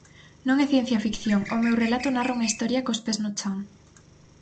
Non é ciencia ficción, o meu relato narra unha historia cos pés no chan.